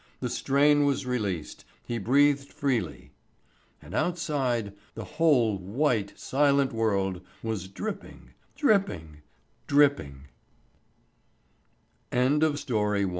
The strain was released, he breathed freely. And outside the whole, white, silent world was dripping, dripping, dripping (_Next month